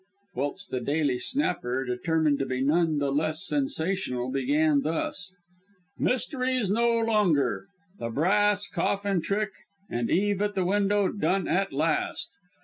Whilst the Daily Snapper, determined to be none the less sensational, began thus: MYSTERIES NO LONGER! "THE BRASS COFFIN TRICK" AND "EVE AT THE WINDOW" DONE AT LAST!